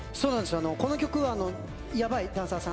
この曲は、やばいダンサーさん